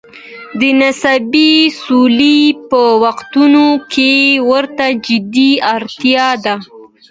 د نسبي سولې په وختونو کې ورته جدي اړتیا ده.